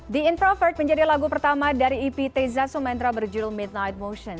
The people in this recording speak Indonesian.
the infrovert menjadi lagu pertama dari ep teza sumendra berjudul midnight motion